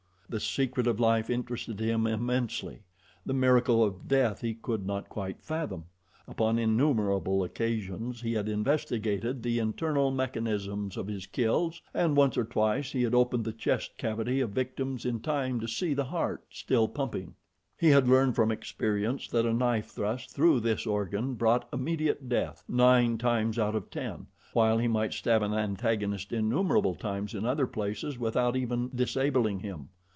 The secret of life interested him immensely. The miracle of death he could not quite fathom. Upon innumerable occasions he had investigated the internal mechanism of his kills, and once or twice he had opened the chest cavity of victims in time to see the heart still pumping. He had learned from experience that a knife thrust through this organ brought immediate death nine times out of ten, while he might stab an antagonist innumerable times in other places without even disabling him.